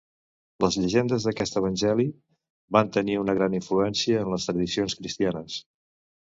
Les llegendes d'aquest evangeli van tenir una gran influència en les tradicions cristianes.